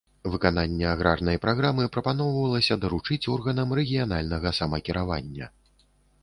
Выкананне аграрнай праграмы прапаноўвалася даручыць органам рэгіянальнага самакіравання.